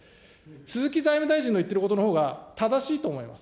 鈴木財務大臣の言っていることのほうが正しいと思います。